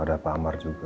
nah udah pak amar juga